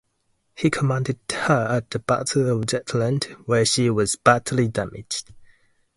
He commanded her at the Battle of Jutland, where she was badly damaged.